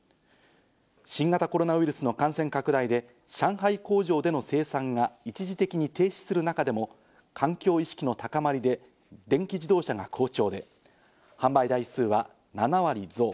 新型コロナウイルスの感染拡大で上海工場での生産が一時的に停止する中でも、環境意識の高まりで電気自動車が好調で、販売台数は７割増。